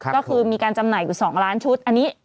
ก็คือมีการจำหน่ายอยู่๒ล้านชุดอันนี้